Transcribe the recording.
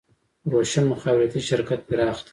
روشن مخابراتي شرکت پراخ دی